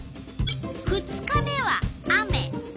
２日目は雨。